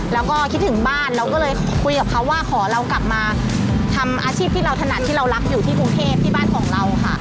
แล้วก็คิดถึงบ้านเราก็เลยคุยกับเขาว่าขอเรากลับมาทำอาชีพที่เราถนัดที่เรารักอยู่ที่กรุงเทพที่บ้านของเราค่ะ